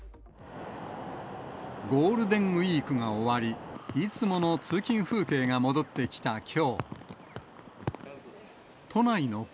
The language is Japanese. ゴールデンウィークが終わり、いつもの通勤風景が戻ってきたきょう。